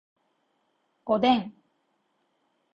おでん